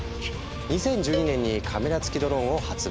２０１２年にカメラ付きドローンを発売。